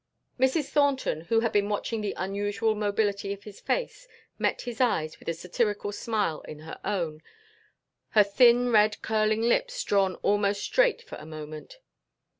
Mrs. Thornton, who had been watching the unusual mobility of his face, met his eyes with a satirical smile in her own, her thin red curling lips drawn almost straight for a moment.